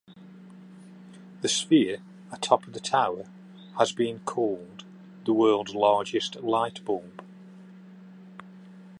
The sphere atop the tower has been called the "world's largest light bulb".